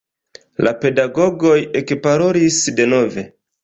La pedagogoj ekparolis denove.